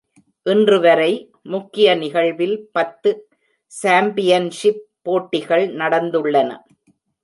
இன்றுவரை, முக்கிய நிகழ்வில் பத்து சாம்பியன்ஷிப் போட்டிகள் நடந்துள்ளன.